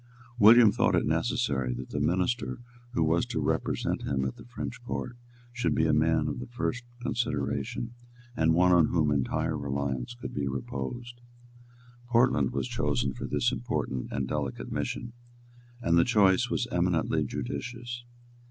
William thought it necessary that the minister who was to represent him at the French Court should be a man of the first consideration, and one on whom entire reliance could be reposed. Portland was chosen for this important and delicate mission; and the choice was eminently judicious.